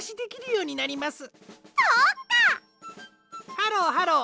ハローハロー